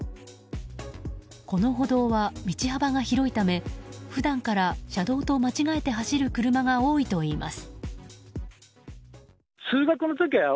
この歩道は道幅が広いため普段から車道と間違えて走る車が多いといいます。